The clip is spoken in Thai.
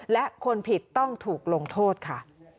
และคนผิดต้องถูกลงโทษค่ะ